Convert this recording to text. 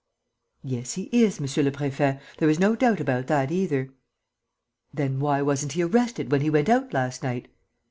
"Yes, he is, monsieur le préfet. There is no doubt about that either." "Then why wasn't he arrested when he went out last night?"